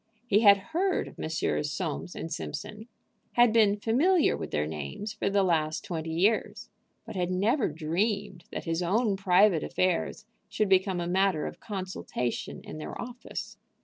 He had heard of Messrs. Soames & Simpson, had been familiar with their names for the last twenty years, but had never dreamed that his own private affairs should become a matter of consultation in their office.